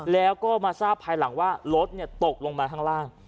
แล้วก็มาทราบภายหลังว่ารถตกลงมาข้างล่าง